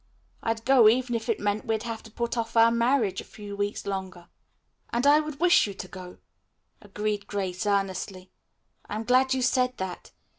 I'd go even if it meant we'd have to put off our marriage a few weeks longer." "And I would wish you to go," agreed Grace earnestly. "I am glad you said that.